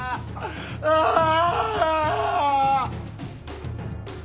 ああ！